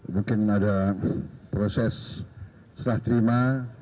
mungkin ada proses serah terima